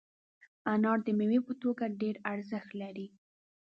انار د میوې په توګه ډېر ارزښت لري.